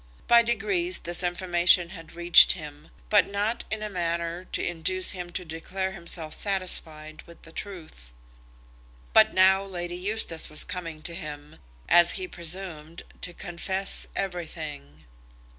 By degrees this information had reached him, but not in a manner to induce him to declare himself satisfied with the truth. But now Lady Eustace was coming to him, as he presumed, to confess everything.